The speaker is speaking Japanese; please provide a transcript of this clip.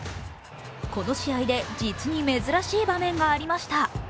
この試合で実に珍しい場面がありました。